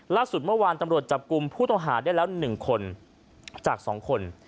ล่าสุดเมื่อวานตำรวจจับกลุ่มผู้ต้องหาได้แล้ว๑คนจาก๒คน